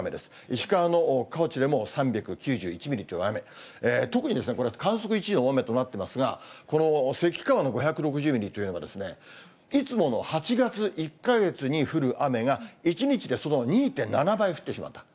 石川の河内でも３９１の雨、特にこれ、観測１位の大雨となっていますが、この関川の５６０ミリというのが、いつもの８月、１か月に降る雨が、１日でその２．７倍降ってしまった。